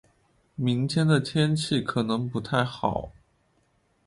明天的天气可能不太好。